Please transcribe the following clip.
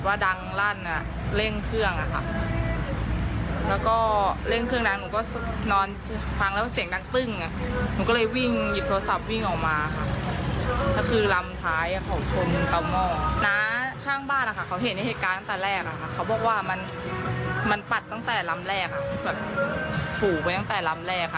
ข้างบ้านเขาเห็นในเหตุการณ์ตั้งแต่แรกเขาบอกว่ามันปัดตั้งแต่ลำแรกถูกไปตั้งแต่ลำแรก